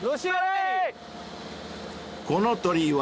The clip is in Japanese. ［この鳥は］